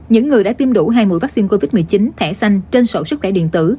những người đã tiêm đủ hai mũi vaccine covid một mươi chín thẻ xanh trên sổ sức khỏe điện tử